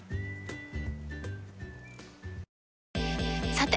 さて！